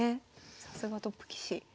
さすがトップ棋士。